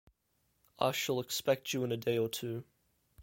I shall expect you in a day or two.